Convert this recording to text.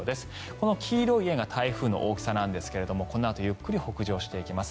この黄色い円が台風の大きさなんですがこのあとゆっくり北上していきます。